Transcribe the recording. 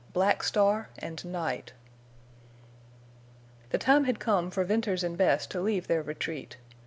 BLACK STAR AND NIGHT The time had come for Venters and Bess to leave their retreat.